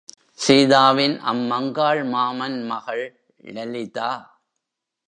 சீதாவின் அம்மங்காள் மாமன் மகள் லலிதா.